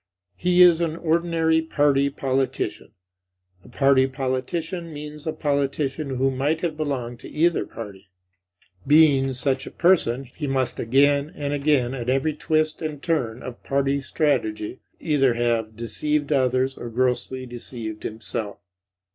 He is an ordinary party politician; a party politician means a politician who might have belonged to either party. Being such a person, he must again and again, at every twist and turn of party strategy, either have deceived others or grossly deceived himself.